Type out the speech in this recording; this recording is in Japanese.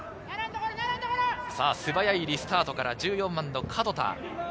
素早いリスタートから１４番の角田。